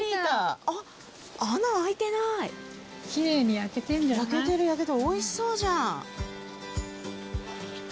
焼けてる焼けてるおいしそうじゃん。